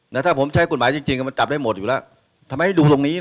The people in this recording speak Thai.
ถ้าผมใช้กฎหมายจริงจริงมันจับได้หมดอยู่แล้วทำไมให้ดูตรงนี้ล่ะ